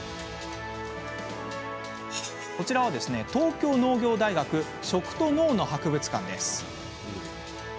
こちらは、東京農業大学「食と農」の博物館です。